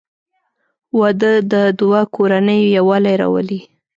• واده د دوه کورنیو یووالی راولي.